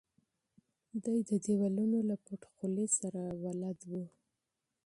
دی د دیوالونو له خاموشۍ سره بلد و.